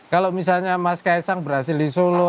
kalau misalnya mas kaisang berhasil di solo